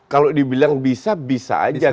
kalau dibilang bisa bisa aja